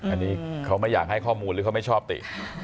อันนี้เขาไม่อยากให้ข้อมูลหรือเขาไม่ชอบติ